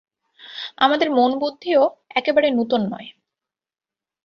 আমাদের মনবুদ্ধিও একেবারে নূতন নয়।